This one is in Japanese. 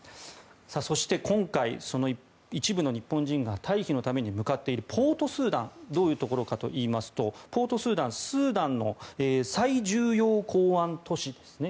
そして、今回一部の日本人が退避のために向かっているポート・スーダンどういうところかといいますとポート・スーダンはスーダンの最重要港湾都市ですね。